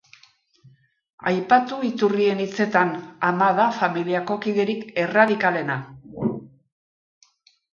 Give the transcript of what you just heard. Aipatu iturrien hitzetan, ama da familiako kiderik erradikalena.